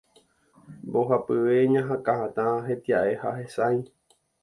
Mbohapyve iñakãhatã, hetia'e ha hesãi.